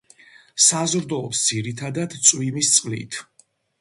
საზრდოობს ძირითადად წვიმის წყლით.